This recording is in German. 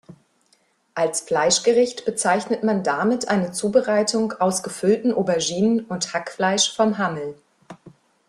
Als Fleischgericht bezeichnet man damit eine Zubereitung aus gefüllten Auberginen und Hackfleisch vom Hammel.